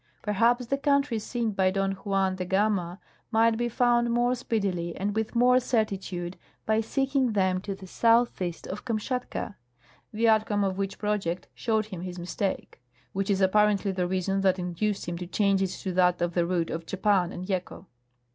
Perhaps the countries seen by Don Juan de Gama might be found more speedily and Avith more certitude by seeking them to the southeast of Kamshatka ;' the outcome of which project showed him his mistake, which is apparently the reason that induced him to change it to that of the route by Japan and Yeco.